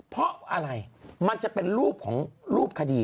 เพราะอะไรมันจะเป็นรูปของรูปคดี